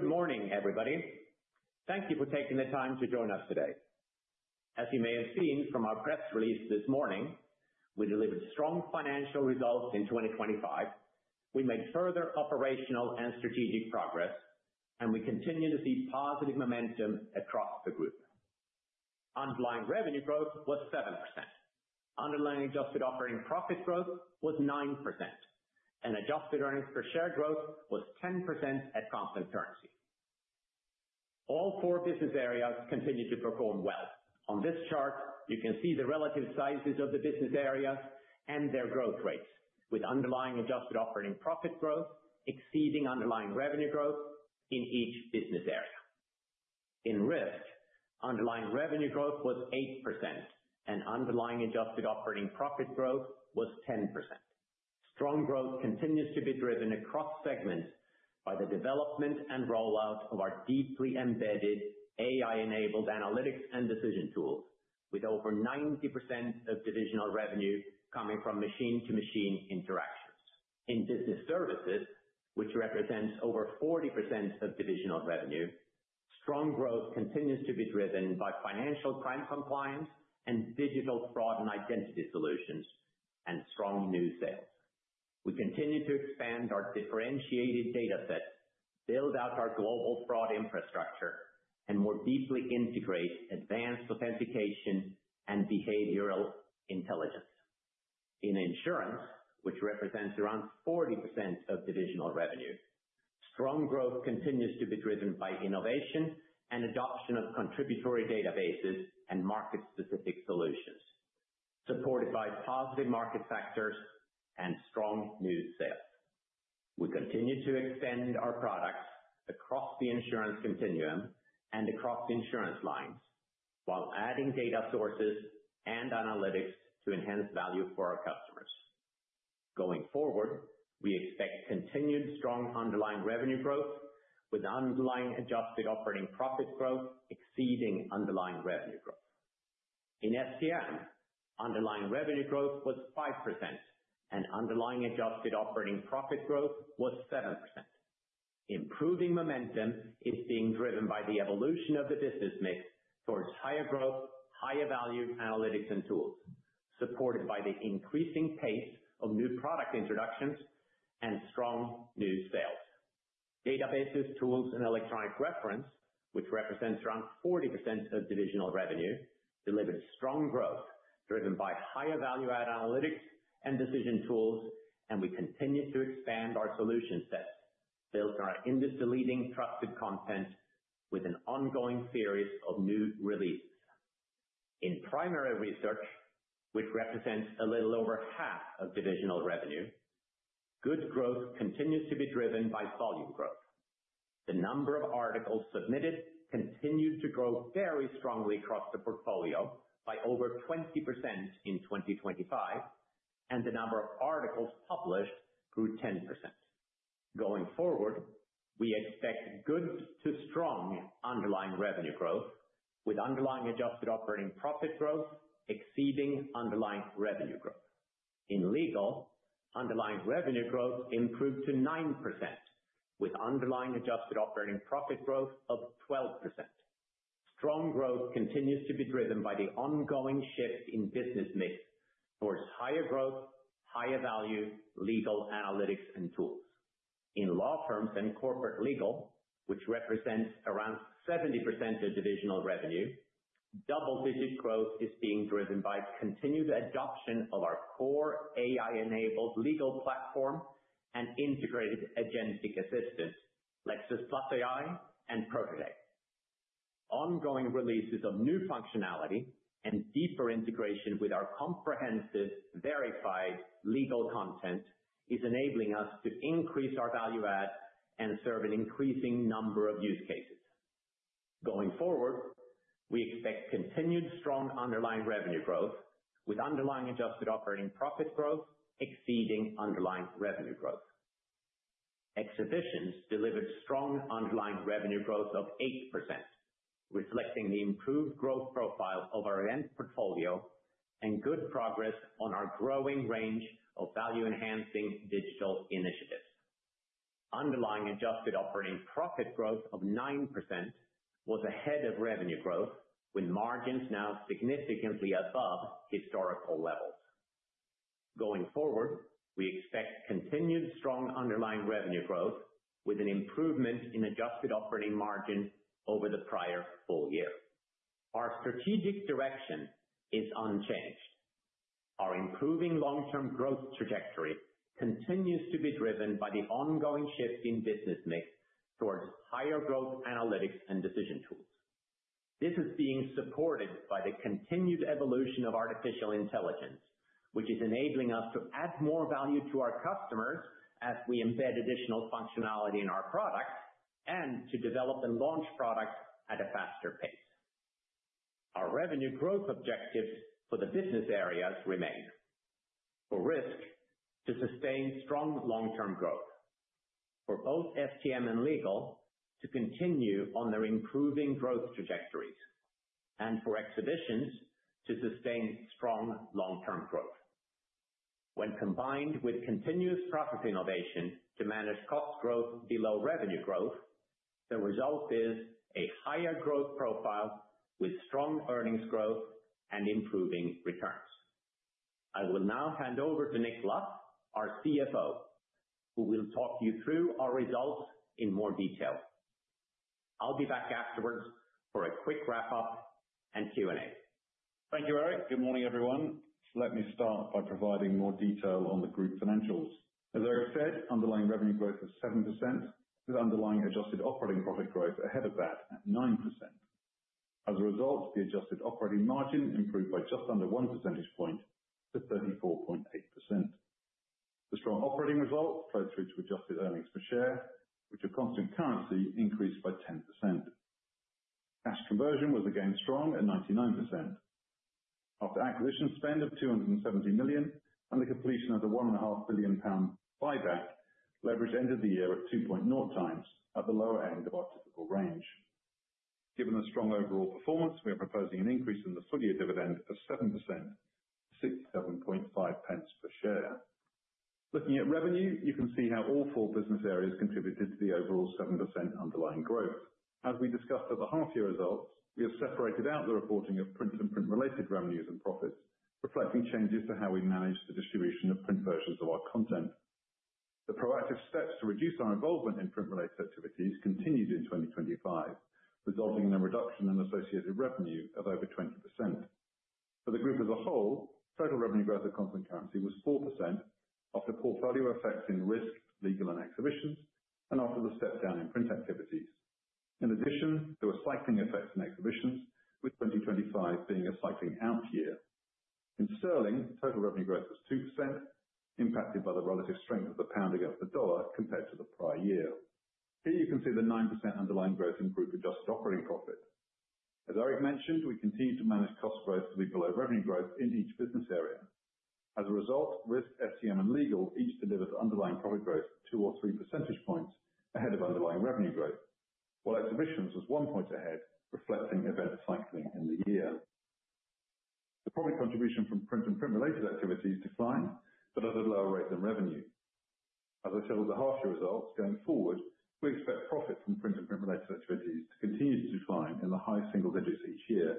Good morning, everybody. Thank you for taking the time to join us today. As you may have seen from our press release this morning, we delivered strong financial results in 2025. We made further operational and strategic progress, and we continue to see positive momentum across the group. Underlying revenue growth was 7%. Underlying adjusted operating profit growth was 9%, and adjusted earnings per share growth was 10% at constant currency. All four business areas continued to perform well. On this chart, you can see the relative sizes of the business areas and their growth rates, with underlying adjusted operating profit growth exceeding underlying revenue growth in each business area. In Risk, underlying revenue growth was 8%, and underlying adjusted operating profit growth was 10%. Strong growth continues to be driven across segments by the development and rollout of our deeply embedded AI-enabled analytics and decision tools, with over 90% of divisional revenue coming from machine-to-machine interactions. In Business Services, which represents over 40% of divisional revenue, strong growth continues to be driven by financial crime compliance and digital fraud and identity solutions and strong new sales. We continue to expand our differentiated data set, build out our global fraud infrastructure, and more deeply integrate advanced authentication and behavioral intelligence. In Insurance, which represents around 40% of divisional revenue, strong growth continues to be driven by innovation and adoption of contributory databases and market-specific solutions, supported by positive market factors and strong new sales. We continue to expand our products across the insurance continuum and across insurance lines, while adding data sources and analytics to enhance value for our customers. Going forward, we expect continued strong underlying revenue growth with underlying adjusted operating profit growth exceeding underlying revenue growth. In STM, underlying revenue growth was 5%, and underlying adjusted operating profit growth was 7%. Improving momentum is being driven by the evolution of the business mix towards higher growth, higher value analytics and tools, supported by the increasing pace of new product introductions and strong new sales. Databases, tools, and electronic reference, which represents around 40% of divisional revenue, delivered strong growth driven by higher value-add analytics and decision tools, and we continue to expand our solution set, building our industry-leading trusted content with an ongoing series of new releases. In Primary Research, which represents a little over half of divisional revenue, good growth continues to be driven by volume growth. The number of articles submitted continued to grow very strongly across the portfolio by over 20% in 2025, and the number of articles published grew 10%. Going forward, we expect good to strong underlying revenue growth, with underlying adjusted operating profit growth exceeding underlying revenue growth. In Legal, underlying revenue growth improved to 9%, with underlying adjusted operating profit growth of 12%. Strong growth continues to be driven by the ongoing shift in business mix towards higher growth, higher value Legal analytics and tools. In law firms and corporate Legal, which represents around 70% of divisional revenue, double-digit growth is being driven by continued adoption of our core AI-enabled Legal platform and integrated agentic assistance, Lexis+ AI and Protégé. Ongoing releases of new functionality and deeper integration with our comprehensive verified Legal content is enabling us to increase our value add and serve an increasing number of use cases. Going forward, we expect continued strong underlying revenue growth, with underlying adjusted operating profit growth exceeding underlying revenue growth. Exhibitions delivered strong underlying revenue growth of 8%, reflecting the improved growth profile of our end portfolio and good progress on our growing range of value-enhancing digital initiatives. Underlying adjusted operating profit growth of 9% was ahead of revenue growth, with margins now significantly above historical levels. Going forward, we expect continued strong underlying revenue growth with an improvement in adjusted operating margin over the prior full year. Our strategic direction is unchanged. Our improving long-term growth trajectory continues to be driven by the ongoing shift in business mix towards higher growth analytics and decision tools. This is being supported by the continued evolution of artificial intelligence, which is enabling us to add more value to our customers as we embed additional functionality in our products and to develop and launch products at a faster pace. Our revenue growth objectives for the business areas remain: for Risk, to sustain strong long-term growth. For both STM and Legal, to continue on their improving growth trajectories. And for Exhibitions, to sustain strong long-term growth. When combined with continuous product innovation to manage cost growth below revenue growth, the result is a higher growth profile with strong earnings growth and improving returns. I will now hand over to Nick Luff, our CFO, who will talk you through our results in more detail. I'll be back afterwards for a quick wrap-up and Q&A. Thank you, Erik. Good morning, everyone. Let me start by providing more detail on the group financials. As Erik said, underlying revenue growth was 7%, with underlying adjusted operating profit growth ahead of that at 9%. As a result, the adjusted operating margin improved by just under one percentage point to 34.8%. The strong operating results flowed through to adjusted earnings per share, which at constant currency increased by 10%. Cash conversion was again strong at 99%. After acquisition spend of 270 million and the completion of the 1.5 billion pound buyback, leverage ended the year at 2.0x at the lower end of our typical range. Given the strong overall performance, we are proposing an increase in the full-year dividend of 7%, 67.5 pence per share. Looking at revenue, you can see how all four business areas contributed to the overall 7% underlying growth. As we discussed at the half-year results, we have separated out the reporting of print and print-related revenues and profits, reflecting changes to how we manage the distribution of print versions of our content. The proactive steps to reduce our involvement in print-related activities continued in 2025, resulting in a reduction in associated revenue of over 20%. For the group as a whole, total revenue growth at constant currency was 4% after portfolio effects in risk, Legal, and exhibitions, and after the step down in print activities. In addition, there were cycling effects in exhibitions, with 2025 being a cycling out year. In sterling, total revenue growth was 2%, impacted by the relative strength of the pound against the dollar compared to the prior year. Here you can see the 9% underlying growth in group adjusted operating profit. As Erik mentioned, we continue to manage cost growth to be below revenue growth in each business area. As a result, risk, STM, and Legal each delivered underlying profit growth two or three percentage points ahead of underlying revenue growth, while exhibitions was 1 point ahead, reflecting event cycling in the year. The profit contribution from print and print-related activities declined, but at a lower rate than revenue. As I showed the half-year results, going forward, we expect profits from print and print-related activities to continue to decline in the high single digits each year,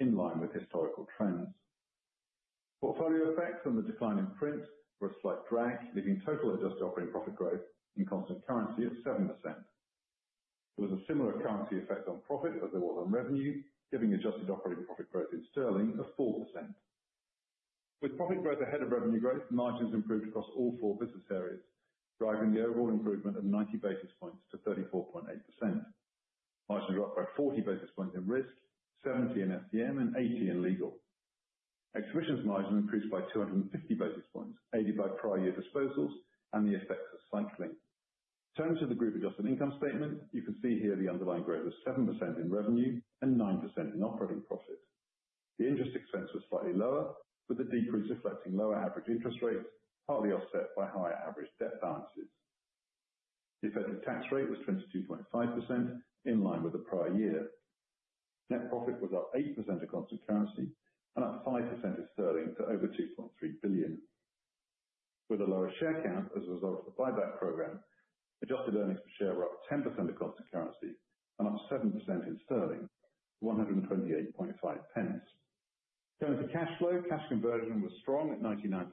in line with historical trends. Portfolio effects and the decline in print were a slight drag, leaving total adjusted operating profit growth in constant currency at 7%. There was a similar currency effect on profit as there was on revenue, giving adjusted operating profit growth in sterling of 4%. With profit growth ahead of revenue growth, margins improved across all four business areas, driving the overall improvement of 90 basis points to 34.8%. Margin got up by 40 basis points in Risk, 70 in STM, and 80 in Legal. Exhibitions margin increased by 250 basis points, aided by prior year disposals and the effects of cycling. Turning to the Group adjusted income statement, you can see here the underlying growth of 7% in revenue and 9% in operating profit. The interest expense was slightly lower, with the decrease reflecting lower average interest rates, partly offset by higher average debt balances. Effective tax rate was 22.5%, in line with the prior year. Net profit was up 8% at constant currency and up 5% in sterling to over 2.3 billion. With a lower share count as a result of the buyback program, adjusted earnings per share were up 10% at constant currency and up 7% in sterling, 1.285. Turning to cash flow, cash conversion was strong at 99%.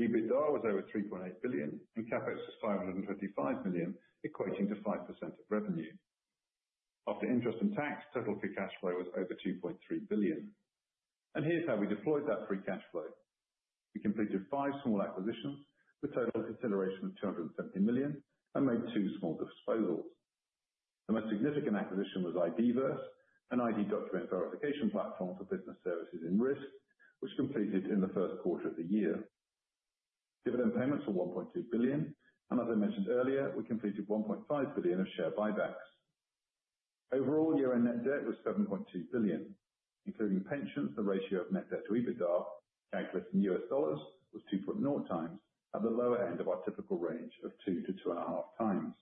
EBITDA was over 3.8 billion, and CapEx was 555 million, equating to 5% of revenue. After interest and tax, total free cash flow was over 2.3 billion. Here's how we deployed that free cash flow. We completed 5 small acquisitions, with total consideration of 270 million, and made 2 small disposals. The most significant acquisition was IDVerse, an ID document verification platform for business services and risk, which completed in the first quarter of the year. Dividend payments were 1.2 billion, and as I mentioned earlier, we completed 1.5 billion of share buybacks. Overall, year-end net debt was 7.2 billion, including pensions. The ratio of net debt to EBITDA, calculated in US dollars, was 2.0 times, at the lower end of our typical range of 2-2.5 times.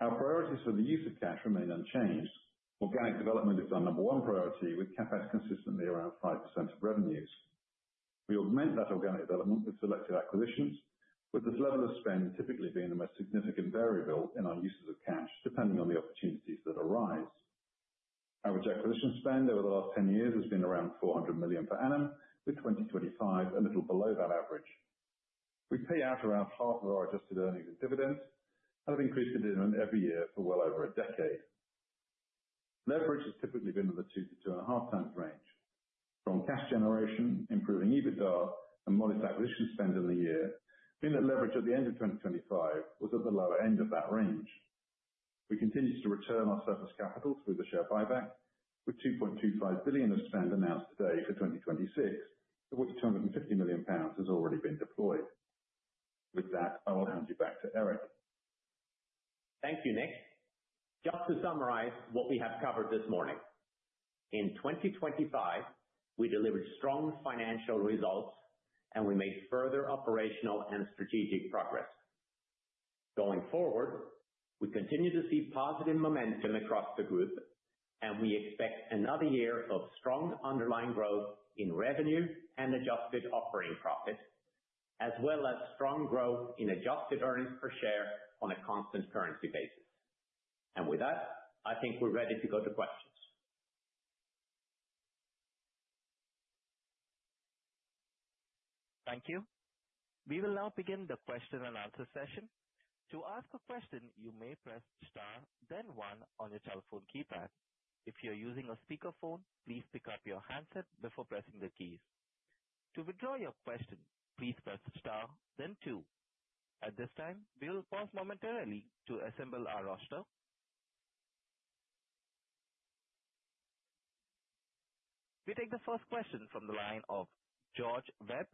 Our priorities for the use of cash remain unchanged. Organic development is our number one priority, with CapEx consistently around 5% of revenues. We augment that organic development with selected acquisitions, with this level of spend typically being the most significant variable in our uses of cash, depending on the opportunities that arise. Our acquisition spend over the last 10 years has been around 400 million per annum, with 2025 a little below that average. We pay out around half of our adjusted earnings and dividends and have increased the dividend every year for well over a decade. Leverage has typically been in the 2-2.5 times range. From cash generation, improving EBITDA, and modest acquisition spend in the year, net leverage at the end of 2025 was at the lower end of that range. We continue to return our surplus capital through the share buyback, with 2.25 billion of spend announced today for 2026, of which 250 million pounds has already been deployed. With that, I will hand you back to Erik. Thank you, Nick. Just to summarize what we have covered this morning. In 2025, we delivered strong financial results, and we made further operational and strategic progress.... Going forward, we continue to see positive momentum across the group, and we expect another year of strong underlying growth in revenue and adjusted operating profit, as well as strong growth in adjusted earnings per share on a constant currency basis. And with that, I think we're ready to go to questions. Thank you. We will now begin the question and answer session. To ask a question, you may press star, then one on your telephone keypad. If you're using a speakerphone, please pick up your handset before pressing the keys. To withdraw your question, please press star then two. At this time, we will pause momentarily to assemble our roster. We take the first question from the line of George Webb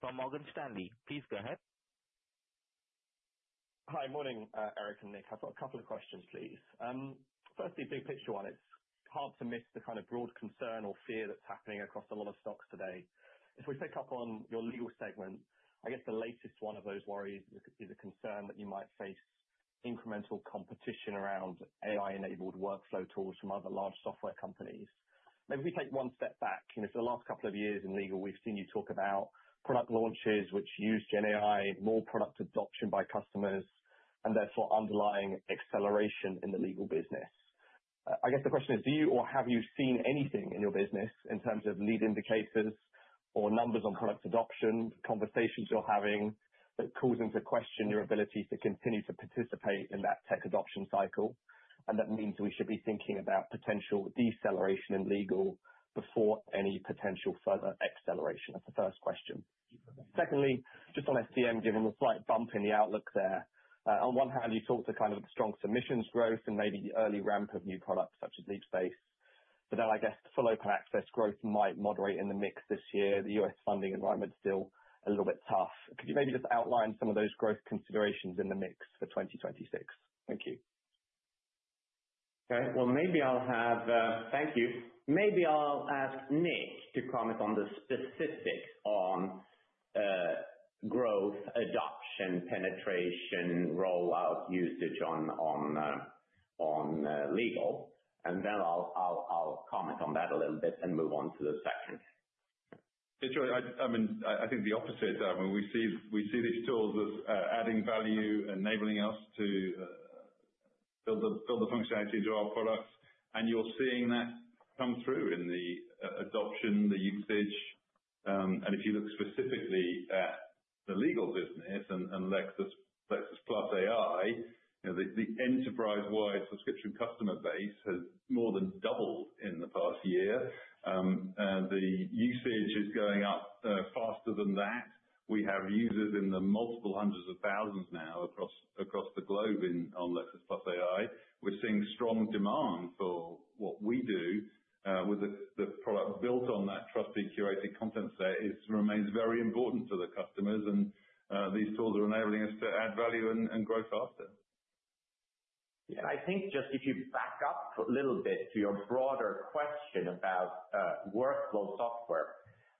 from Morgan Stanley. Please go ahead. Hi. Morning, Erik and Nick. I've got a couple of questions, please. Firstly, big picture one. It's hard to miss the kind of broad concern or fear that's happening across a lot of stocks today. If we pick up on your Legal segment, I guess the latest one of those worries is a concern that you might face incremental competition around AI-enabled workflow tools from other large software companies. Maybe if we take one step back, you know, for the last couple of years in Legal, we've seen you talk about product launches which use GenAI, more product adoption by customers, and therefore underlying acceleration in the Legal business. I guess the question is, do you or have you seen anything in your business in terms of lead indicators or numbers on product adoption, conversations you're having, that calls into question your ability to continue to participate in that tech adoption cycle? And that means we should be thinking about potential deceleration in Legal before any potential further acceleration. That's the first question. Secondly, just on STM, given the slight bump in the outlook there. On one hand, you talked to kind of strong submissions growth and maybe early ramp of new products such as Scopus AI. But then I guess the full open access growth might moderate in the mix this year. The U.S. funding environment is still a little bit tough. Could you maybe just outline some of those growth considerations in the mix for 2026? Thank you. Okay. Well, maybe I'll have... Thank you. Maybe I'll ask Nick to comment on the specifics on growth, adoption, penetration, rollout, usage on Legal, and then I'll comment on that a little bit and move on to the second. Sure. I mean, I think the opposite. When we see these tools as adding value, enabling us to build the functionality to our products, and you're seeing that come through in the adoption, the usage. And if you look specifically at the Legal business and Lexis+ AI, you know, the enterprise-wide subscription customer base has more than doubled in the past year. And the usage is going up faster than that. We have users in the multiple hundreds of thousands now across the globe on Lexis+ AI. We're seeing strong demand for what we do with the product built on that trusted, curated content set. It remains very important to the customers, and these tools are enabling us to add value and grow faster. Yeah, I think just if you back up a little bit to your broader question about workflow software,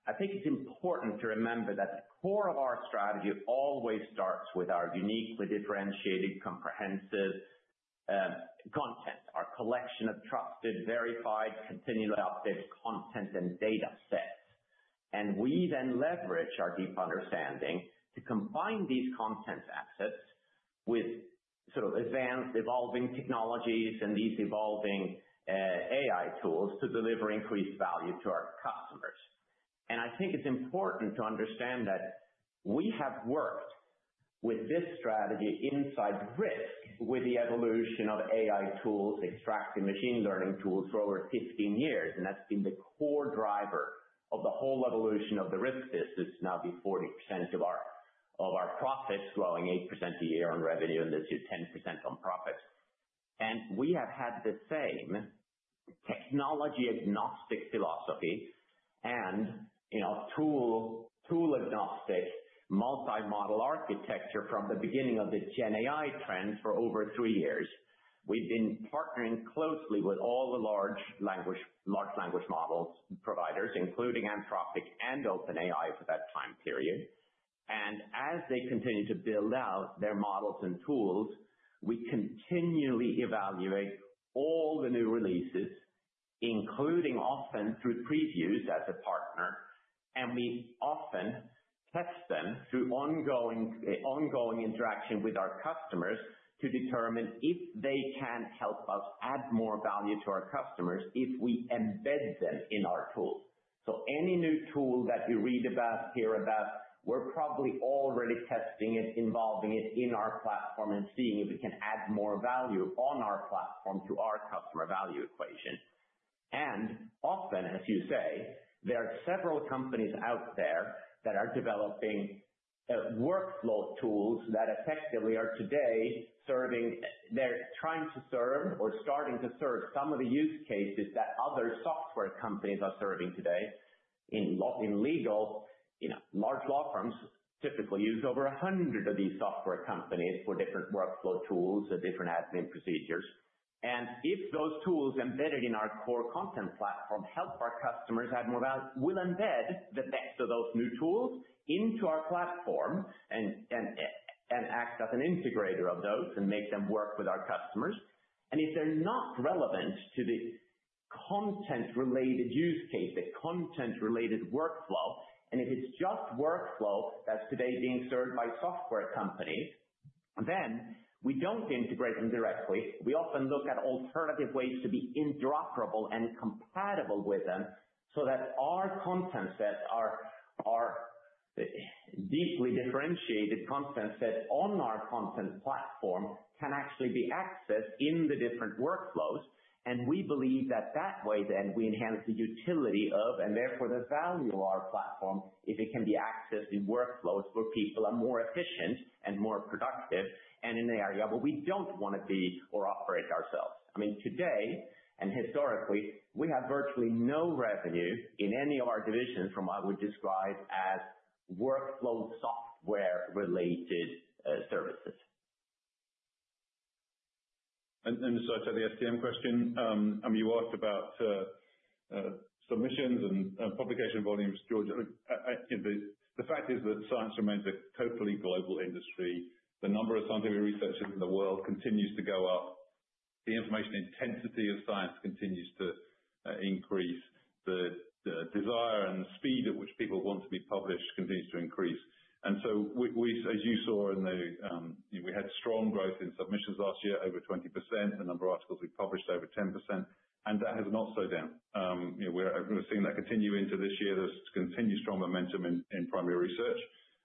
I think it's important to remember that the core of our strategy always starts with our uniquely differentiated, comprehensive content. Our collection of trusted, verified, continually updated content and data sets. And we then leverage our deep understanding to combine these content assets with sort of advanced evolving technologies and these evolving AI tools to deliver increased value to our customers. And I think it's important to understand that we have worked with this strategy inside risk with the evolution of AI tools, extraction machine learning tools, for over 15 years, and that's been the core driver of the whole evolution of the risk business, now be 40% of our, of our profits, growing 8% a year on revenue, and this is 10% on profits. We have had the same technology agnostic philosophy and, you know, tool, tool agnostic, multi-model architecture from the beginning of this GenAI trend for over three years. We've been partnering closely with all the large language, large language models providers, including Anthropic and OpenAI, for that time period. As they continue to build out their models and tools, we continually evaluate all the new releases, including often through previews as a partner, and we often test them through ongoing, ongoing interaction with our customers to determine if they can help us add more value to our customers if we embed them in our tools. Any new tool that you read about, hear about, we're probably already testing it, involving it in our platform and seeing if we can add more value on our platform to our customer value equation. Often, as you say, there are several companies out there that are developing workflow tools that effectively are today serving—they're trying to serve or starting to serve some of the use cases that other software companies are serving today. In law—in Legal, you know, large law firms typically use over 100 of these software companies for different workflow tools and different admin procedures... If those tools embedded in our core content platform help our customers add more value, we'll embed the best of those new tools into our platform and, and, and act as an integrator of those and make them work with our customers. If they're not relevant to the content-related use case, the content-related workflow, and if it's just workflow that's today being served by software companies, then we don't integrate them directly. We often look at alternative ways to be interoperable and compatible with them, so that our content sets are deeply differentiated content sets on our content platform can actually be accessed in the different workflows. We believe that way then we enhance the utility of, and therefore the value of our platform, if it can be accessed in workflows where people are more efficient and more productive, and in an area where we don't want to be or operate ourselves. I mean, today, and historically, we have virtually no revenue in any of our divisions from what I would describe as workflow software-related services. So to the STM question, I mean, you asked about submissions and publication volumes, George. The fact is that science remains a totally global industry. The number of scientific researchers in the world continues to go up. The information intensity of science continues to increase. The desire and the speed at which people want to be published continues to increase. And so, as you saw, we had strong growth in submissions last year, over 20%, the number of articles we published over 10%, and that has not slowed down. You know, we're seeing that continue into this year. There's continued strong momentum in primary research.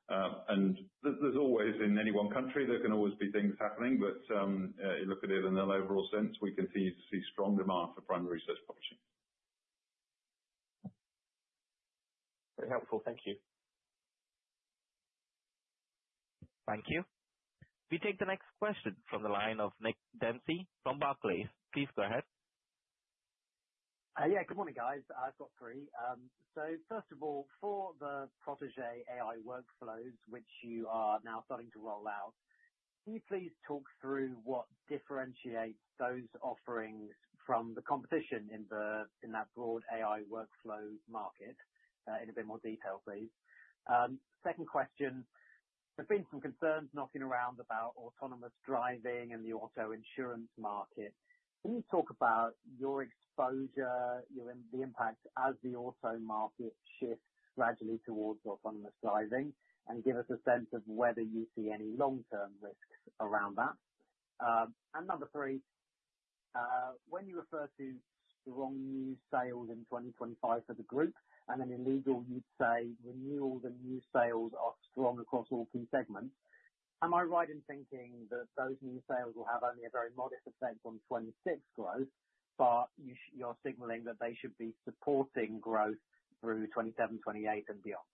There, there's always, in any one country, there can always be things happening, but you look at it in an overall sense. We continue to see strong demand for primary research publishing. Very helpful. Thank you. Thank you. We take the next question from the line of Nick Dempsey from Barclays. Please go ahead. Yeah, good morning, guys. I've got three. So first of all, for the Protégé AI workflows, which you are now starting to roll out, can you please talk through what differentiates those offerings from the competition in that broad AI workflow market, in a bit more detail, please? Second question, there's been some concerns knocking around about autonomous driving and the auto insurance market. Can you talk about your exposure, the impact as the auto market shifts gradually towards autonomous driving, and give us a sense of whether you see any long-term risks around that? And number three, when you refer to strong new sales in 2025 for the group, and then in Legal, you'd say, renewal the new sales are strong across all key segments. Am I right in thinking that those new sales will have only a very modest effect on 2026 growth, but you're signaling that they should be supporting growth through 2027, 2028 and beyond?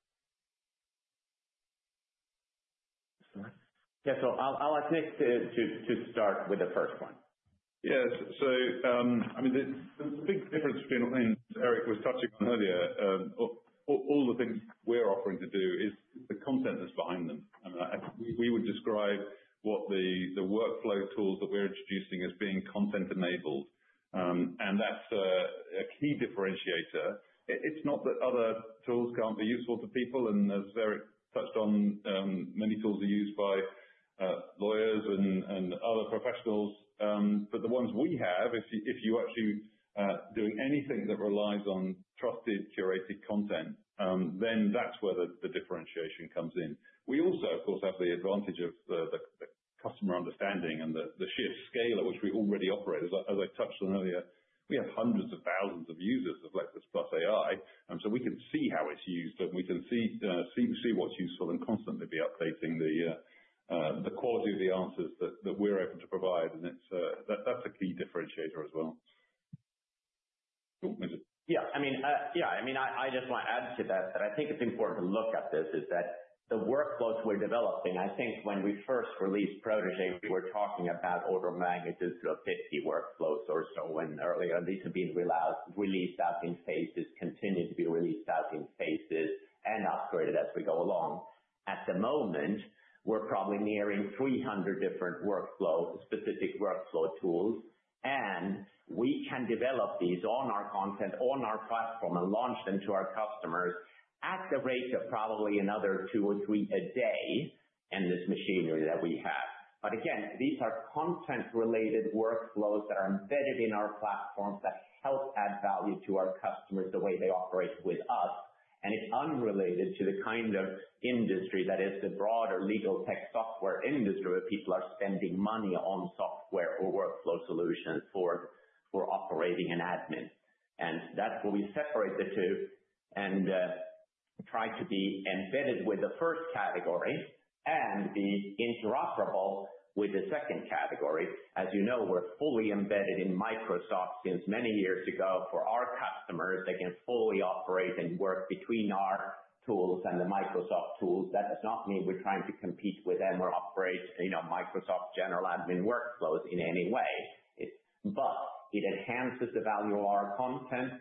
Yeah. I'll ask Nick to start with the first one. Yes. So, I mean, the big difference between what Erik was touching on earlier, all the things we're offering to do is the content that's behind them. I mean, we would describe what the workflow tools that we're introducing as being content enabled, and that's a key differentiator. It's not that other tools can't be useful to people, and as Erik touched on, many tools are used by lawyers and other professionals, but the ones we have, if you actually doing anything that relies on trusted, curated content, then that's where the differentiation comes in. We also, of course, have the advantage of the customer understanding and the sheer scale at which we already operate. As I, as I touched on earlier, we have hundreds of thousands of users of Lexis+ AI, and so we can see how it's used, and we can see see what's useful and constantly be updating the quality of the answers that that we're able to provide. And it's That that's a key differentiator as well. Oh, go ahead. Yeah, I mean, yeah, I mean, I, I just want to add to that, that I think it's important to look at this, is that the workflows we're developing. I think when we first released Protégé, we were talking about order of magnitudes to a 50 workflows or so when earlier. These have been released out in phases, continuing to be released out in phases and upgraded as we go along. At the moment, we're probably nearing 300 different workflows, specific workflow tools, and we can develop these on our content, on our platform, and launch them to our customers at the rate of probably another 2 or 3 a day, in this machinery that we have. But again, these are content-related workflows that are embedded in our platforms, that help add value to our customers, the way they operate with us. It's unrelated to the kind of industry that is the broader Legal tech software industry, where people are spending money on software or workflow solutions for operating and admin. That's where we separate the two and try to be embedded with the first category and be interoperable with the second category. As you know, we're fully embedded in Microsoft since many years ago. For our customers, they can fully operate and work between our tools and the Microsoft tools. That does not mean we're trying to compete with them or operate, you know, Microsoft general admin workflows in any way. It enhances the value of our content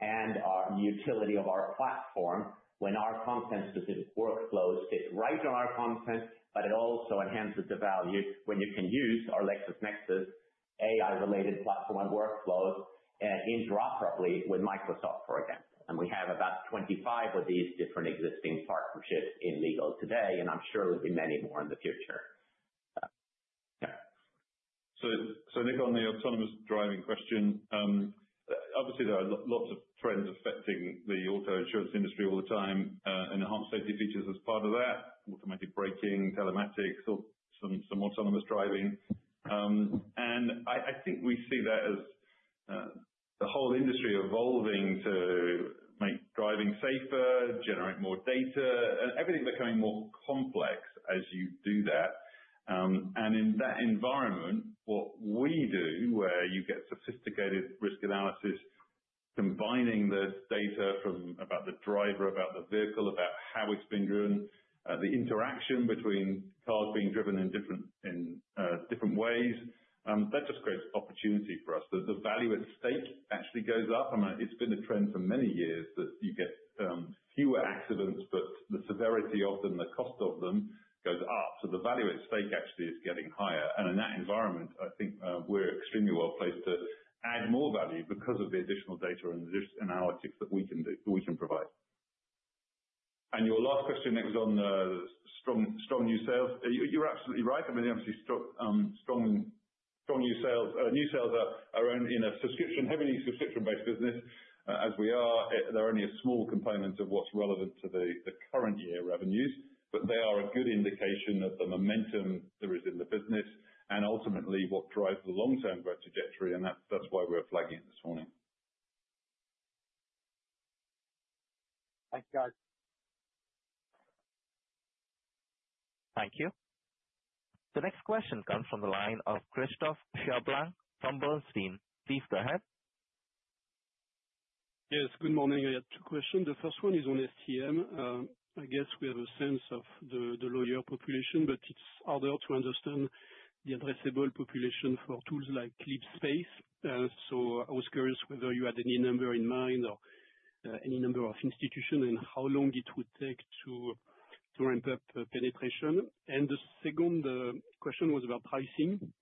and our utility of our platform when our content specific workflows fit right on our content, but it also enhances the value when you can use our LexisNexis AI related platform workflows, interoperably with Microsoft, for example. And we have about 25 of these different existing partnerships in Legal today, and I'm sure there'll be many more in the future. Yeah. So, so Nick, on the autonomous driving question, obviously there are lots of trends affecting the auto insurance industry all the time, and enhanced safety features as part of that, automatic braking, telematics, or some autonomous driving. And I think we see that as the whole industry evolving to make driving safer, generate more data, and everything becoming more complex as you do that. And in that environment, what we do, where you get sophisticated risk analysis, combining this data from about the driver, about the vehicle, about how it's been driven, the interaction between cars being driven in different, different ways, that just creates opportunity for us. The value at stake actually goes up. I mean, it's been a trend for many years that you get fewer accidents, but the severity of them, the cost of them goes up. So the value at stake actually is getting higher. And in that environment, I think we're extremely well placed to add more value because of the additional data and the analytics that we can do, we can provide. And your last question, Nick, was on the strong, strong new sales. You're absolutely right. I mean, obviously strong strong new sales new sales are are in in a subscription, heavily subscription-based business. As we are, they're only a small component of what's relevant to the current year revenues, but they are a good indication of the momentum there is in the business and ultimately what drives the long-term growth trajectory, and that's why we're flagging it this morning. Thank you, guys. Thank you. The next question comes from the line of Christophe Cherblanc from Société Générale. Please go ahead. Yes, good morning. I had two questions. The first one is on STM. I guess we have a sense of the lawyer population, but it's harder to understand the addressable population for tools like Scopus AI. So I was curious whether you had any number in mind or any number of institution and how long it would take to ramp up penetration? And the second question was about pricing.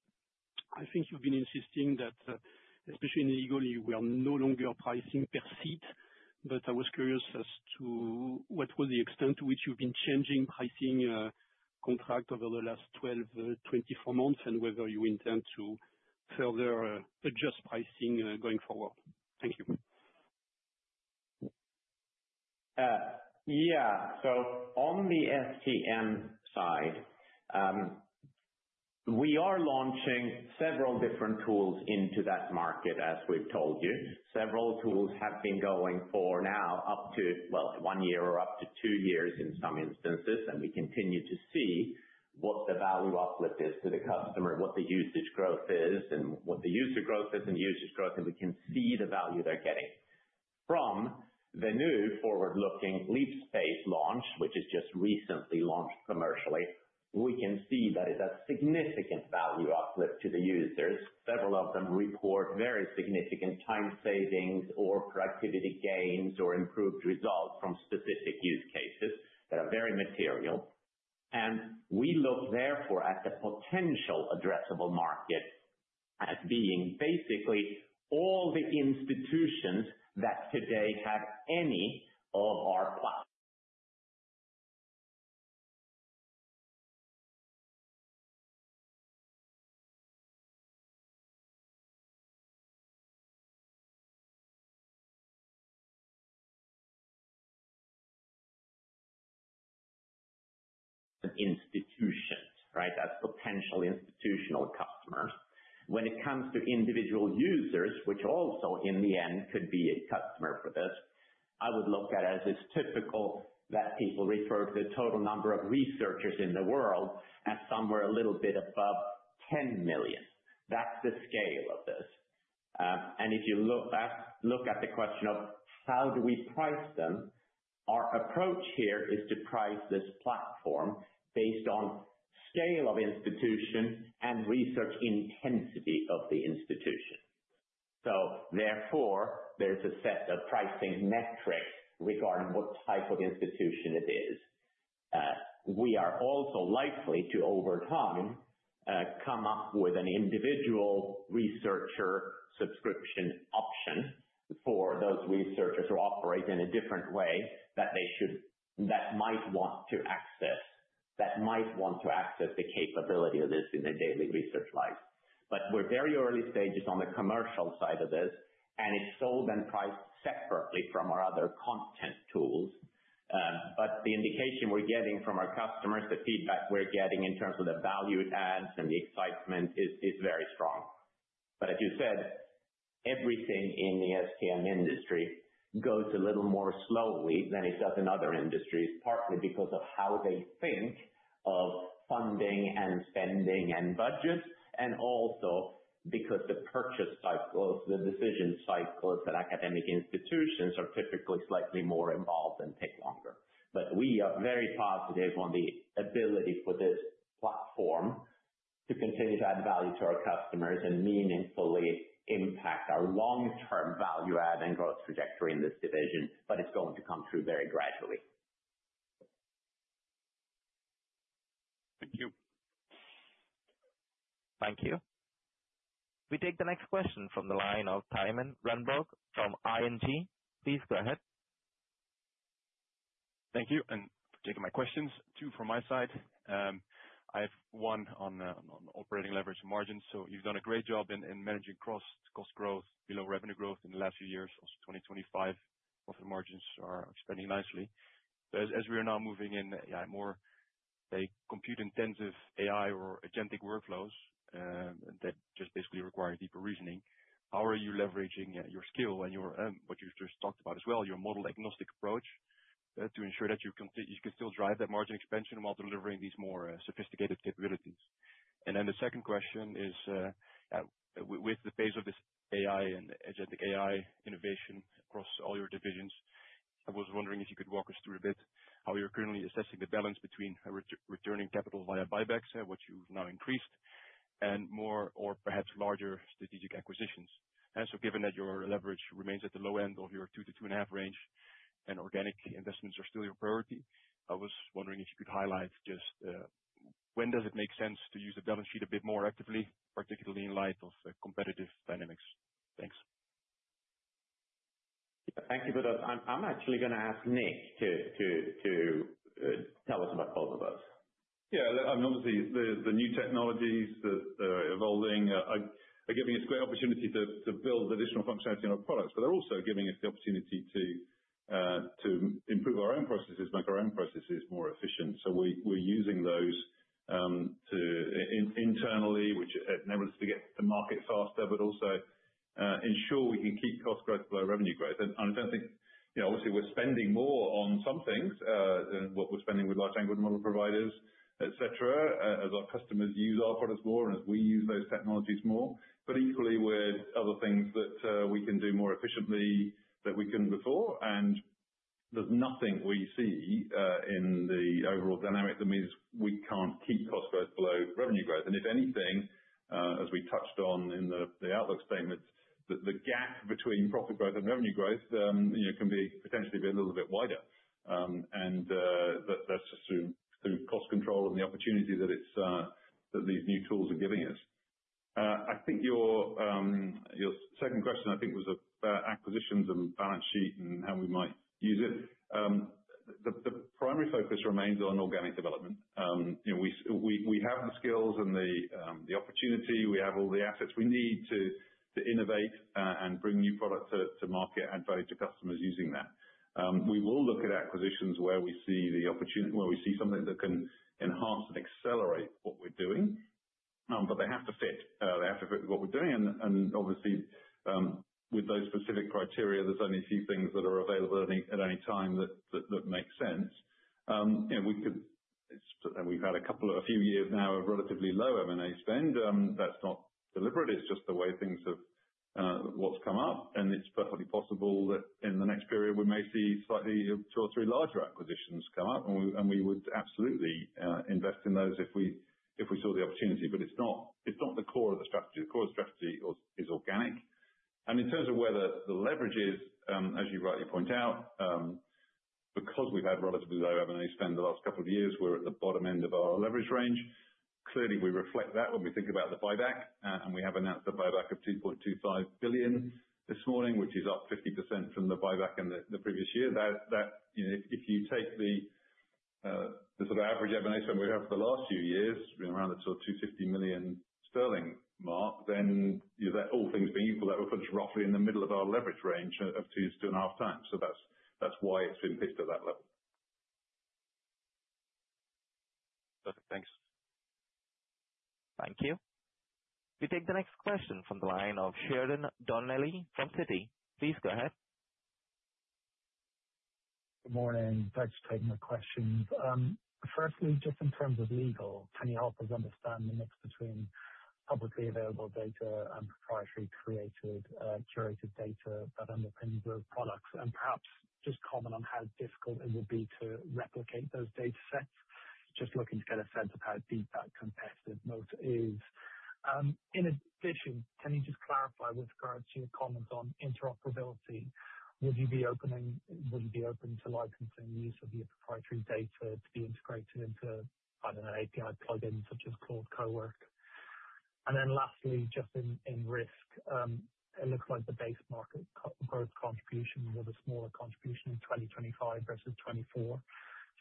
I think you've been insisting that especially in Legal, you are no longer pricing per seat, but I was curious as to what was the extent to which you've been changing pricing contract over the last 12, 24 months, and whether you intend to further adjust pricing going forward? Thank you. Yeah. So on the STM side, we are launching several different tools into that market, as we've told you. Several tools have been going for now up to 1 year or up to 2 years in some instances, and we continue to see what the value uplift is to the customer, what the usage growth is, and what the user growth is, and usage growth, and we can see the value they're getting. From the new forward-looking Scopus AI launch, which is just recently launched commercially, we can see that it's a significant value uplift to the users. Several of them report very significant time savings or productivity gains or improved results from specific use cases that are very material. And we look therefore at the potential addressable market as being basically all the institutions that today have any of our plat- institutions, right? That's potential institutional customers. When it comes to individual users, which also in the end could be a customer for this, I would look at it as it's typical that people refer to the total number of researchers in the world as somewhere a little bit above 10 million. That's the scale of this. And if you look at the question of how do we price them? Our approach here is to price this platform based on scale of institution and research intensity of the institution. So therefore, there's a set of pricing metrics regarding what type of institution it is. We are also likely to, over time, come up with an individual researcher subscription option for those researchers who operate in a different way, that they should... That might want to access the capability of this in their daily research life. But we're very early stages on the commercial side of this, and it's sold and priced separately from our other content tools. But the indication we're getting from our customers, the feedback we're getting in terms of the value it adds and the excitement is very strong. But as you said, everything in the STM industry goes a little more slowly than it does in other industries, partly because of how they think of funding and spending and budgets, and also because the purchase cycles, the decision cycles at academic institutions are typically slightly more involved and take longer. But we are very positive on the ability for this platform-... to continue to add value to our customers and meaningfully impact our long-term value add and growth trajectory in this division, but it's going to come through very gradually. Thank you. Thank you. We take the next question from the line of Thijs Berkelder from ABN AMRO. Please go ahead. Thank you, and for taking my questions. Two from my side. I have one on, on operating leverage margins. So you've done a great job in, in managing cross-cost growth below revenue growth in the last few years, as 2025 profit margins are expanding nicely. But as, as we are now moving in, yeah, more, like, compute-intensive AI or agentic workflows, that just basically require deeper reasoning, how are you leveraging, your skill and your, what you've just talked about as well, your model-agnostic approach, to ensure that you can still drive that margin expansion while delivering these more, sophisticated capabilities? Then the second question is, with the pace of this AI and agentic AI innovation across all your divisions, I was wondering if you could walk us through a bit how you're currently assessing the balance between, returning capital via buybacks, which you've now increased, and more or perhaps larger strategic acquisitions. So given that your leverage remains at the low end of your 2-2.5 range, and organic investments are still your priority, I was wondering if you could highlight just, when does it make sense to use the balance sheet a bit more actively, particularly in light of the competitive dynamics? Thanks. Thank you for that. I'm actually gonna ask Nick to tell us about both of those. Yeah, and obviously, the new technologies that are evolving are giving us great opportunity to build additional functionality in our products, but they're also giving us the opportunity to improve our own processes, make our own processes more efficient. So we're using those internally, which enables us to get to market faster, but also ensure we can keep cost growth below revenue growth. And I don't think, you know, obviously, we're spending more on some things than what we're spending with large language model providers, et cetera, as our customers use our products more and as we use those technologies more, but equally with other things that we can do more efficiently than we could before. And there's nothing we see in the overall dynamic that means we can't keep cost growth below revenue growth. And if anything, as we touched on in the outlook statement, the gap between profit growth and revenue growth, you know, can potentially be a little bit wider. And that's just through cost control and the opportunity that these new tools are giving us. I think your second question was about acquisitions and balance sheet and how we might use it. The primary focus remains on organic development. You know, we have the skills and the opportunity; we have all the assets we need to innovate and bring new products to market and value to customers using that. We will look at acquisitions where we see the opportunity, where we see something that can enhance and accelerate what we're doing, but they have to fit, they have to fit what we're doing. And obviously, with those specific criteria, there's only a few things that are available at any time that make sense. You know, we could, and we've had a couple of a few years now of relatively low M&A spend. That's not deliberate, it's just the way things have, what's come up, and it's perfectly possible that in the next period, we may see slightly 2 or 3 larger acquisitions come up, and we would absolutely invest in those if we saw the opportunity. But it's not the core of the strategy. The core strategy is organic. In terms of where the leverage is, as you rightly point out, because we've had relatively low M&A spend the last couple of years, we're at the bottom end of our leverage range. Clearly, we reflect that when we think about the buyback, and we have announced a buyback of 2.25 billion this morning, which is up 50% from the buyback in the previous year. That, you know, if you take the sort of average M&A spend we have for the last few years, been around the sort of 250 million sterling mark, then, you know, that all things being equal, that puts roughly in the middle of our leverage range of 2-2.5 times. So that's why it's been fixed at that level. Perfect. Thanks. Thank you. We take the next question from the line of Ciaran Donnelly from Panmure Liberum. Please go ahead. Good morning. Thanks for taking the questions. Firstly, just in terms of Legal, can you help us understand the mix between publicly available data and proprietary created, curated data that underpins your products? And perhaps just comment on how difficult it would be to replicate those data sets. Just looking to get a sense of how deep that competitive moat is. In addition, can you just clarify with regards to your comment on interoperability, would you be open to licensing the use of your proprietary data to be integrated into, I don't know, API plugin, such as CoCounsel? And then lastly, just in risk, it looks like the base market core growth contribution was a smaller contribution in 2025 versus 2024.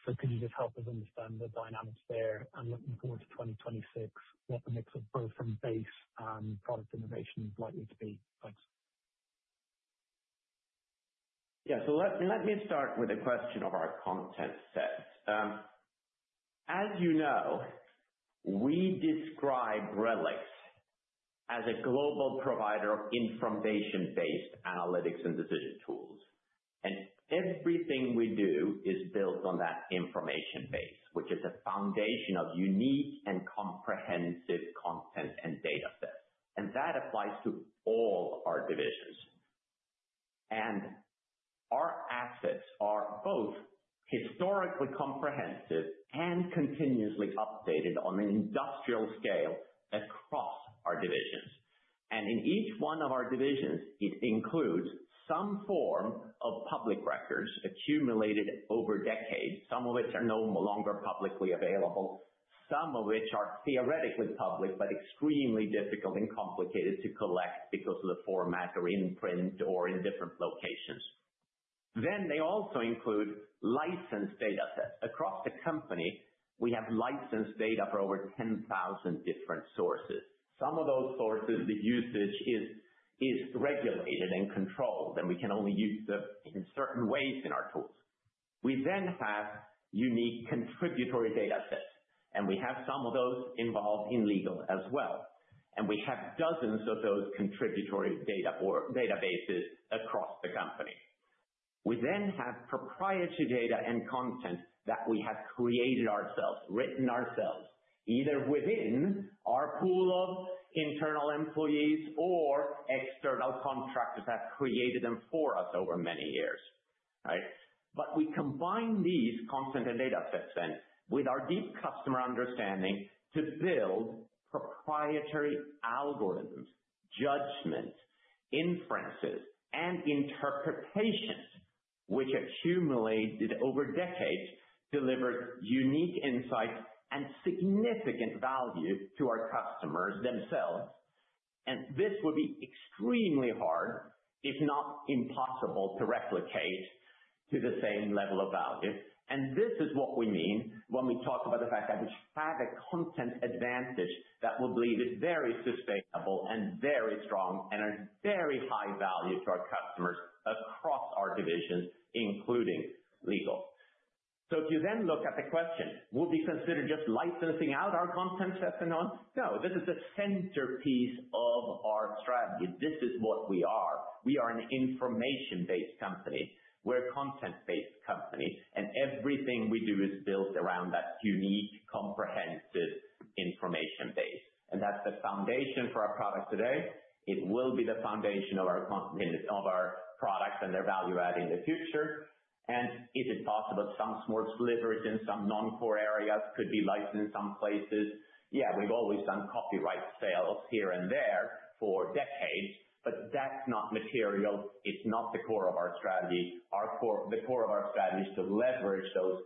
So could you just help us understand the dynamics there, and looking forward to 2026, what the mix of growth from base and product innovation is likely to be? Thanks. Yeah. So let me, let me start with the question of our content set. As you know, we describe RELX as a global provider of information-based analytics and decision tools. And everything we do is built on that information base, which is a foundation of unique and comprehensive content and data sets. And that applies to all our divisions. And assets are both historically comprehensive and continuously updated on an industrial scale across our divisions. And in each one of our divisions, it includes some form of public records accumulated over decades, some of which are no longer publicly available, some of which are theoretically public, but extremely difficult and complicated to collect because of the format or in print or in different locations. Then they also include licensed data sets. Across the company, we have licensed data for over 10,000 different sources. Some of those sources, the usage is regulated and controlled, and we can only use them in certain ways in our tools. We then have unique contributory data sets, and we have some of those involved in Legal as well. We have dozens of those contributory data or databases across the company. We then have proprietary data and content that we have created ourselves, written ourselves, either within our pool of internal employees or external contractors have created them for us over many years, right? But we combine these content and data sets then, with our deep customer understanding to build proprietary algorithms, judgments, inferences, and interpretations, which accumulated over decades, delivered unique insights and significant value to our customers themselves. This would be extremely hard, if not impossible, to replicate to the same level of value. This is what we mean when we talk about the fact that we have a content advantage that we believe is very sustainable and very strong and a very high value to our customers across our divisions, including Legal. So if you then look at the question, would we consider just licensing out our content sets and on? No, this is the centerpiece of our strategy. This is what we are. We are an information-based company. We're a content-based company, and everything we do is built around that unique, comprehensive information base. And that's the foundation for our product today. It will be the foundation of our products and their value add in the future. And is it possible some small sliverages in some non-core areas could be licensed in some places? Yeah, we've always done copyright sales here and there for decades, but that's not material. It's not the core of our strategy. Our core, the core of our strategy is to leverage those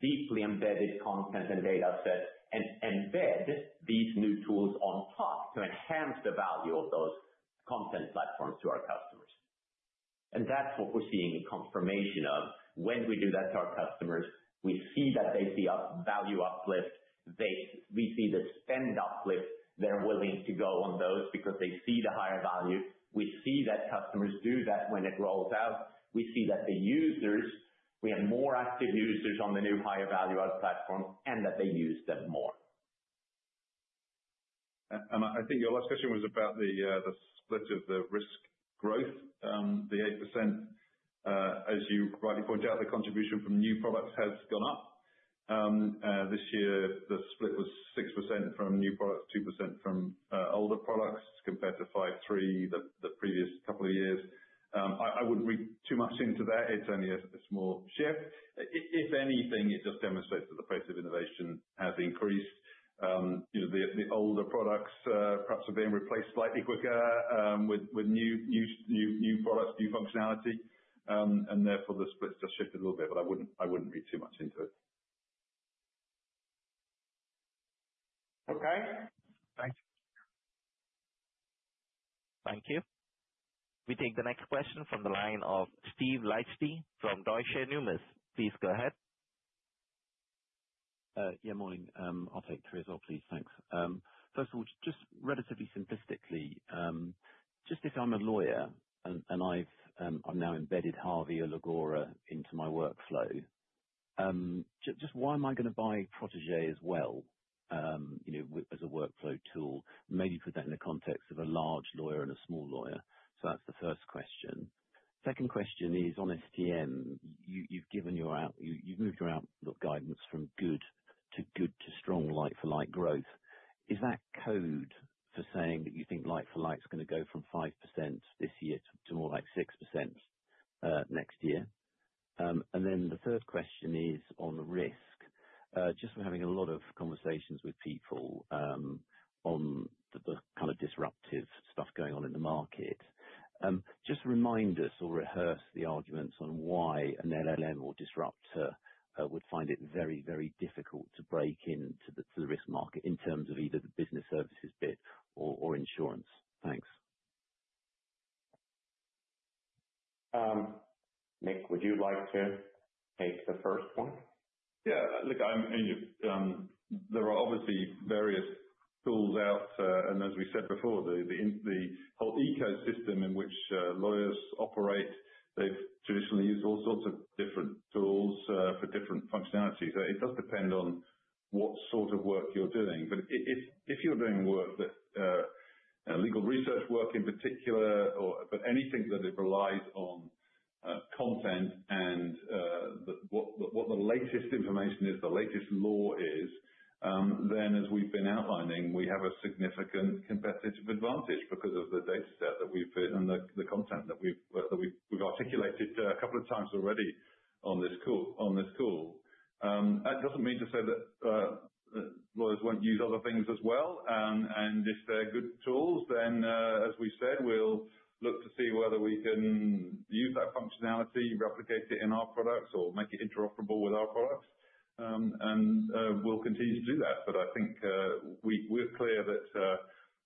deeply embedded content and data sets and embed these new tools on top to enhance the value of those content platforms to our customers. And that's what we're seeing confirmation of. When we do that to our customers, we see that they see a value uplift. They... We see the spend uplift. They're willing to go on those because they see the higher value. We see that customers do that when it rolls out. We see that the users, we have more active users on the new higher value add platform and that they use them more. And I think your last question was about the split of the risk growth. The 8%, as you rightly point out, the contribution from new products has gone up. This year, the split was 6% from new products, 2% from older products, compared to 5%-3%, the previous couple of years. I wouldn't read too much into that. It's only a small shift. If anything, it just demonstrates that the pace of innovation has increased. You know, the older products perhaps are being replaced slightly quicker with new products, new functionality, and therefore, the split's just shifted a little bit, but I wouldn't read too much into it. Okay. Thanks. Thank you. We take the next question from the line of Steve Liechti from Deutsche Numis. Please go ahead. Yeah, morning. I'll take three as well, please. Thanks. First of all, just relatively simplistically, just if I'm a lawyer and I've now embedded Harvey or Leya into my workflow, just why am I gonna buy Protégé as well, you know, as a workflow tool? Maybe put that in the context of a large lawyer and a small lawyer. So that's the first question. Second question is on STM. You've moved your outlook guidance from good to strong like-for-like growth. Is that code for saying that you think like-for-like is gonna go from 5% this year to more like 6% next year? And then the third question is on risk. Just we're having a lot of conversations with people, on the kind of disruptive stuff going on in the market. Just remind us or rehearse the arguments on why an LLM or disruptor would find it very, very difficult to break into the risk market in terms of either the business services bit or insurance. Thanks. Nick, would you like to take the first one? Yeah. Look, I'm, you know, there are obviously various tools out there, and as we said before, the whole ecosystem in which lawyers operate, they've traditionally used all sorts of different tools for different functionalities. So it does depend on what sort of work you're doing. But if you're doing work that Legal research work in particular, or but anything that it relies on content and the what the latest information is, the latest law is. Then as we've been outlining, we have a significant competitive advantage because of the data set that we've built and the content that we've articulated a couple of times already on this call. That doesn't mean to say that lawyers won't use other things as well. And if they're good tools, then, as we said, we'll look to see whether we can use that functionality, replicate it in our products or make it interoperable with our products. And we'll continue to do that. But I think we're clear that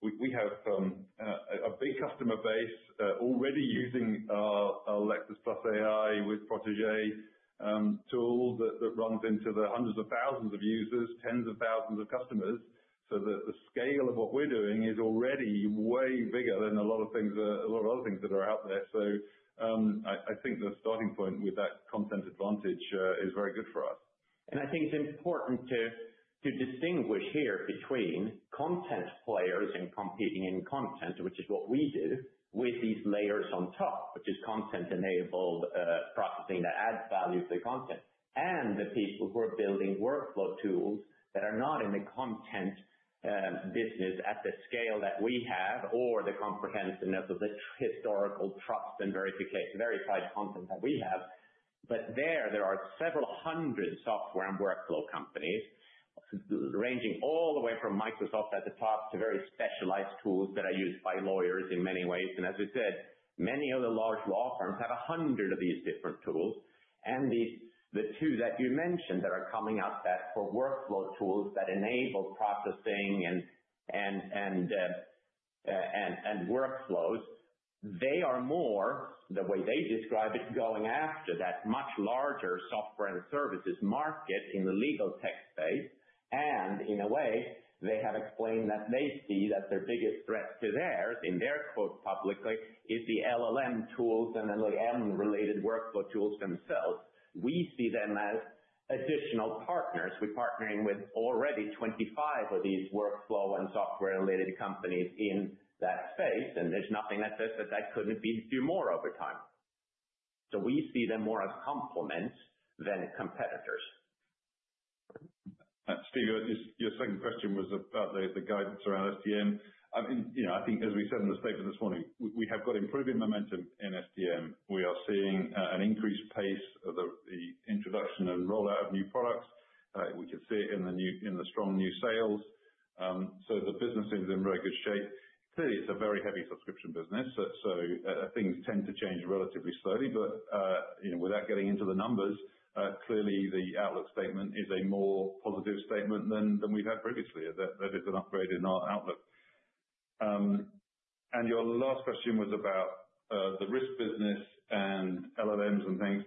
we have a big customer base already using our Lexis+ AI with Protégé tool that runs into the hundreds of thousands of users, tens of thousands of customers. So the scale of what we're doing is already way bigger than a lot of things, a lot of other things that are out there. So I think the starting point with that content advantage is very good for us. I think it's important to distinguish here between content players and competing in content, which is what we do with these layers on top, which is content-enabled processing that adds value to the content, and the people who are building workflow tools that are not in the content business at the scale that we have, or the comprehensiveness of the historical trust and verification, verified content that we have. But there, there are several hundred software and workflow companies, ranging all the way from Microsoft at the top, to very specialized tools that are used by lawyers in many ways. And as we said, many of the large law firms have 100 of these different tools. The two that you mentioned that are coming out that for workflow tools that enable processing and workflows, they are more, the way they describe it, going after that much larger software and services market in the Legal tech space. In a way, they have explained that they see that their biggest threat to theirs, in their quote, publicly, is the LLM tools and LLM-related workflow tools themselves. We see them as additional partners. We're partnering with already 25 of these workflow and software-related companies in that space, and there's nothing that says that that couldn't be a few more over time. So we see them more as complements than competitors. Steve, your second question was about the guidance around STM. I mean, you know, I think as we said in the statement this morning, we have got improving momentum in STM. We are seeing an increased pace of the introduction and rollout of new products. We can see it in the strong new sales. So the business is in very good shape. Clearly, it's a very heavy subscription business, so things tend to change relatively slowly. But you know, without getting into the numbers, clearly the outlook statement is a more positive statement than we've had previously. That is an upgrade in our outlook. And your last question was about the risk business and LLMs and things.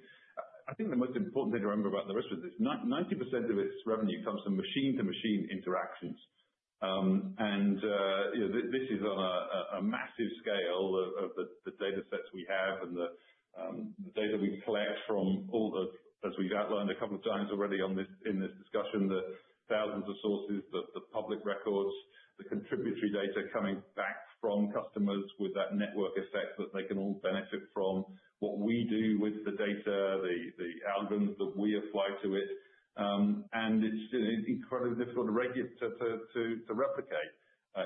I think the most important thing to remember about the risk business, 90% of its revenue comes from machine-to-machine interactions. And you know, this is on a massive scale of the data sets we have and the data we collect from all the... as we've outlined a couple of times already on this, in this discussion, the thousands of sources, the public records, the contributory data coming back from customers with that network effect, that they can all benefit from what we do with the data, the algorithms that we apply to it. And it's incredibly difficult to replicate.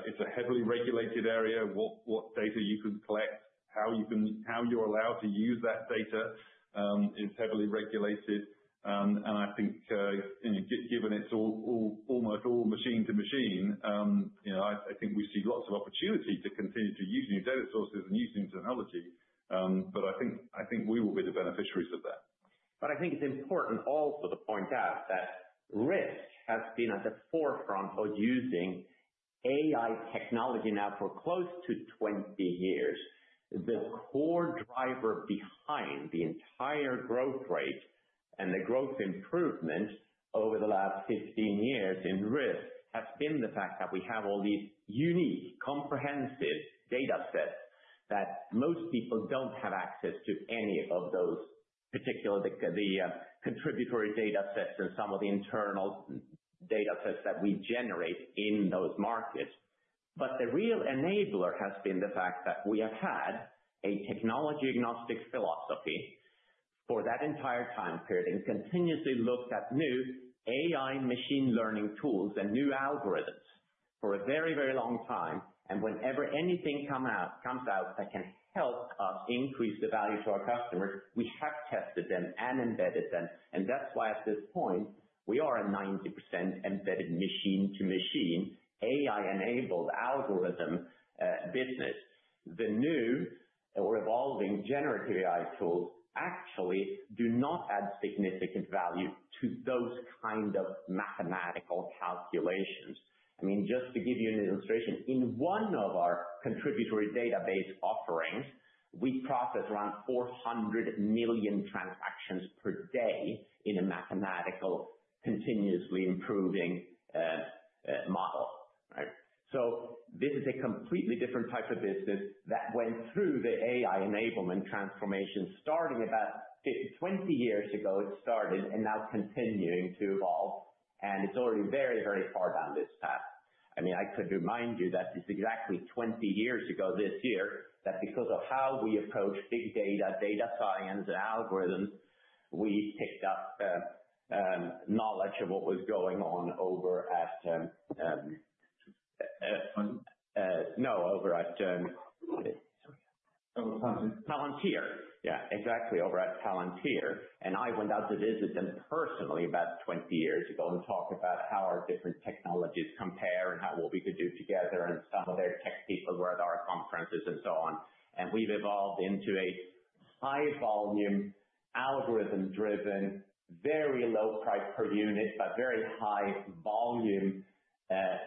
It's a heavily regulated area. What data you can collect, how you're allowed to use that data, is heavily regulated. And I think, you know, given it's almost all machine to machine, you know, I think we see lots of opportunity to continue to use new data sources and use new technology. But I think we will be the beneficiaries of that. But I think it's important also to point out that risk has been at the forefront of using AI technology now for close to 20 years. The core driver behind the entire growth rate and the growth improvement over the last 15 years in risk has been the fact that we have all these unique, comprehensive data sets that most people don't have access to any of those, particularly the contributory data sets and some of the internal data sets that we generate in those markets. But the real enabler has been the fact that we have had a technology agnostic philosophy for that entire time period, and continuously looked at new AI machine learning tools and new algorithms for a very, very long time. Whenever anything comes out that can help us increase the value to our customers, we have tested them and embedded them. That's why, at this point, we are a 90% embedded machine-to-machine, AI-enabled algorithm business. The new or evolving generative AI tools actually do not add significant value to those kind of mathematical calculations. I mean, just to give you an illustration, in one of our contributory database offerings, we process around 400 million transactions per day in a mathematical, continuously improving model, right? So this is a completely different type of business that went through the AI enablement transformation, starting about 20 years ago, it started, and now continuing to evolve, and it's already very, very far down this path. I mean, I could remind you that it's exactly 20 years ago this year that because of how we approached big data, data science, and algorithms, we picked up knowledge of what was going on over at— Palantir? No, over at, Palantir. Palantir. Yeah, exactly. Over at Palantir. I went out to visit them personally about 20 years ago, and talked about how our different technologies compare and how well we could do together, and some of their tech people were at our conferences and so on. We've evolved into a high volume, algorithm-driven, very low price per unit, but very high volume,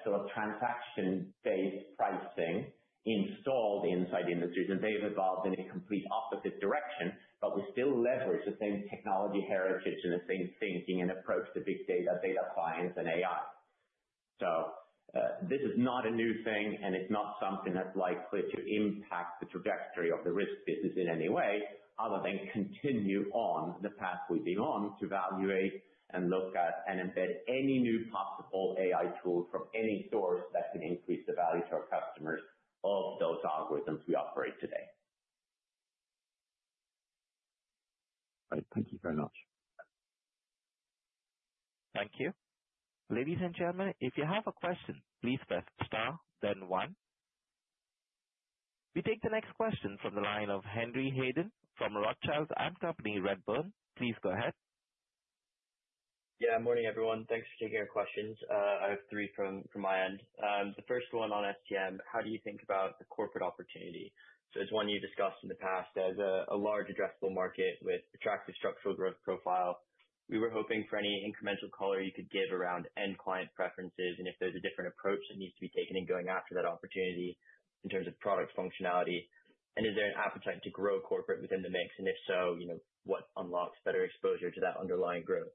sort of transaction-based pricing installed inside industries. They've evolved in a complete opposite direction, but we still leverage the same technology heritage and the same thinking and approach to big data, data science, and AI. This is not a new thing, and it's not something that's likely to impact the trajectory of the risk business in any way, other than continue on the path we've been on to evaluate and look at and embed any new possible AI tool from any source that can increase the value to our customers of those algorithms we operate today. Right. Thank you very much. Thank you. Ladies and gentlemen, if you have a question, please press star then one. We take the next question from the line of Henry Hayden from Rothschild & Co, Redburn. Please go ahead. Yeah, morning, everyone. Thanks for taking our questions. I have three from my end. The first one on STM: How do you think about the corporate opportunity? So it's one you discussed in the past as a large addressable market with attractive structural growth profile. We were hoping for any incremental color you could give around end client preferences, and if there's a different approach that needs to be taken in going after that opportunity in terms of product functionality. And is there an appetite to grow corporate within the mix? And if so, you know, what unlocks better exposure to that underlying growth?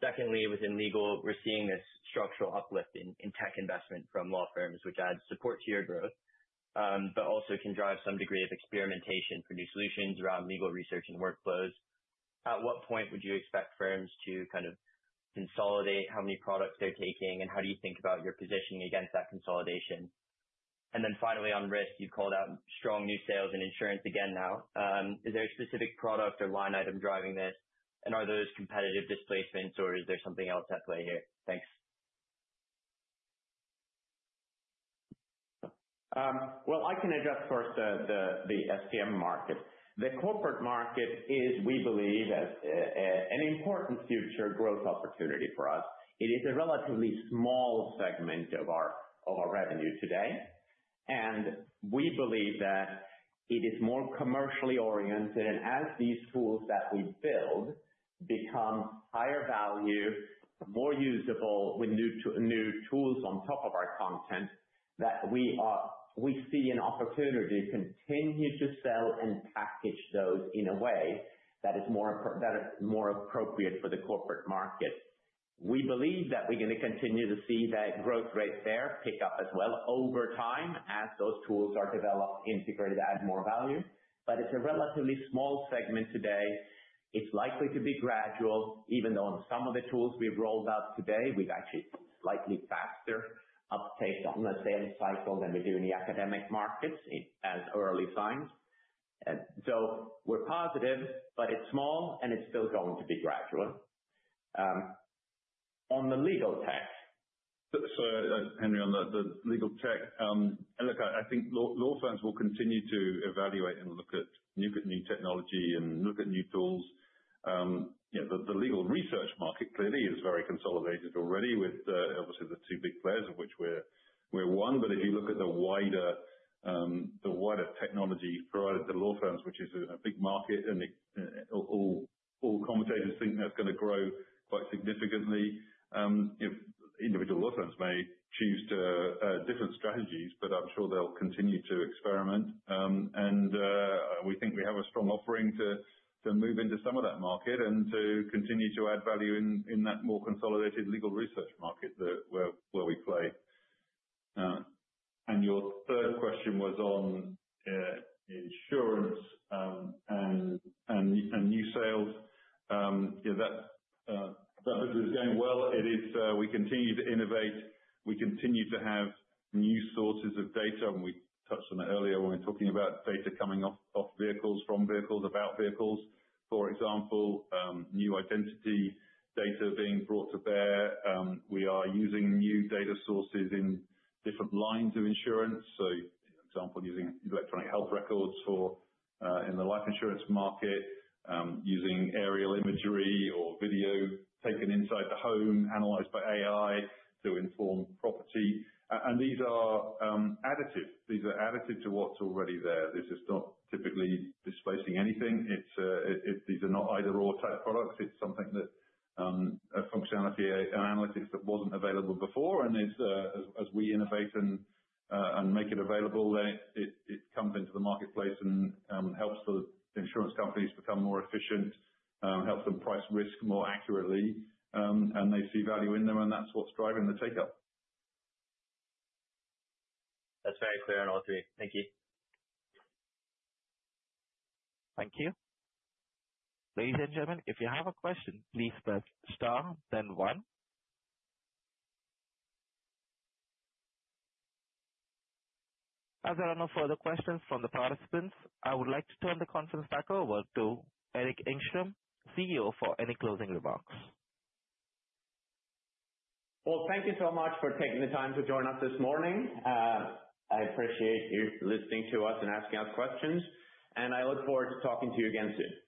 Secondly, within Legal, we're seeing this structural uplift in tech investment from law firms, which adds support to your growth, but also can drive some degree of experimentation for new solutions around Legal research and workflows. At what point would you expect firms to kind of consolidate how many products they're taking, and how do you think about your positioning against that consolidation? And then finally, on risk, you've called out strong new sales and insurance again now. Is there a specific product or line item driving this? And are those competitive displacements or is there something else at play here? Thanks. Well, I can address first the STM market. The corporate market is, we believe, an important future growth opportunity for us. It is a relatively small segment of our revenue today, and we believe that it is more commercially oriented. As these tools that we build become higher value, more usable with new tools on top of our content, we see an opportunity to continue to sell and package those in a way that is more appropriate for the corporate market. We believe that we're gonna continue to see that growth rate there pick up as well over time, as those tools are developed, integrated, to add more value. But it's a relatively small segment today. It's likely to be gradual, even though on some of the tools we've rolled out today, we've actually slightly faster uptake on the sales cycle than we do in the academic markets, it's early signs. So we're positive, but it's small and it's still going to be gradual. On the Legal tech- So, Henry, on the Legal tech, and look, I think law firms will continue to evaluate and look at new technology and look at new tools. Yeah, the Legal research market clearly is very consolidated already with, obviously the two big players, of which we're one. But if you look at the wider, the wider technology provided to law firms, which is a big market, and all commentators think that's gonna grow quite significantly. If individual law firms may choose different strategies, but I'm sure they'll continue to experiment. And we think we have a strong offering to move into some of that market and to continue to add value in that more consolidated Legal research market where we play. And your third question was on insurance, and new sales. Yeah, that business is going well. It is, we continue to innovate. We continue to have new sources of data, and we touched on it earlier when we were talking about data coming off vehicles, from vehicles, about vehicles. For example, new identity data being brought to bear. We are using new data sources in different lines of insurance. So for example, using electronic health records for in the life insurance market, using aerial imagery or video taken inside the home, analyzed by AI to inform property. And these are additive. These are additive to what's already there. This is not typically displacing anything. It's these are not either/or type products. It's something that a functionality, an analytics that wasn't available before, and it's. As we innovate and make it available, it comes into the marketplace and helps the insurance companies become more efficient, helps them price risk more accurately, and they see value in them, and that's what's driving the take-up. That's very clear on all three. Thank you. Thank you. Ladies and gentlemen, if you have a question, please press star then one. As there are no further questions from the participants, I would like to turn the conference back over to Erik Engstrom, CEO, for any closing remarks. Well, thank you so much for taking the time to join us this morning. I appreciate you listening to us and asking us questions, and I look forward to talking to you again soon.